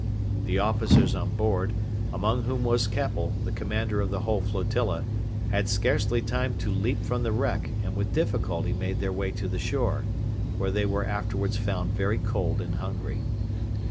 The officers on board among whom was Keppel, the commander of the whole flotilla had scarcely time to leap from the wreck, and with difficulty made their way to the shore, where they were afterwards found very cold and hungry.